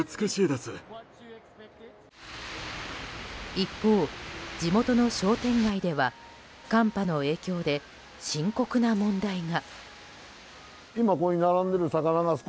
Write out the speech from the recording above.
一方、地元の商店街では寒波の影響で深刻な問題が。